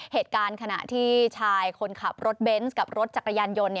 เหตุการณ์ขณะที่ชายคนขับรถเบนส์กับรถจักรยานยนต์